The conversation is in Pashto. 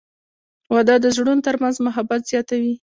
• واده د زړونو ترمنځ محبت زیاتوي.